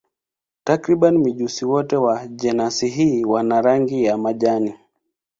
Takriban mijusi wote wa jenasi hii wana rangi ya majani.